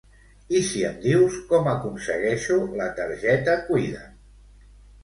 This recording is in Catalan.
I si em dius com aconsegueixo la targeta Cuida'm?